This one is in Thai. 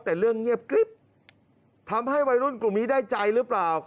แต่เรื่องเงียบกริ๊บทำให้วัยรุ่นกลุ่มนี้ได้ใจหรือเปล่า